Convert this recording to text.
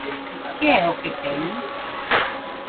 Que é o que temen?